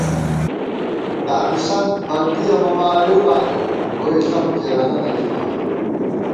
دامِسنت بندِیَہ مہ مارِؤ بالِؤ ، ووئی ݪم کېرَنہ نہ تھنہ